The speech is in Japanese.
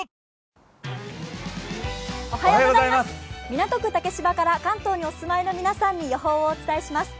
港区竹芝から関東にお住まいの皆さんに予報をお伝えします。